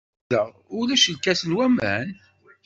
Ffudeɣ, ulac lkas n waman?